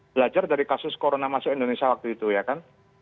belajar dari kasus corona masuk indonesia waktu itu ya kan